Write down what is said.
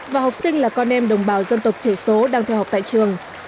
và học sinh là con em đồng bào dân tộc thiểu số đang theo học tại trường